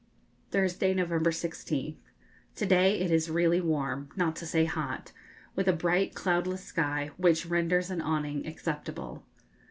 Thursday, November 16th. To day it is really warm not to say hot with a bright cloudless sky, which renders an awning acceptable.